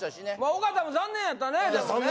尾形も残念やったねでもね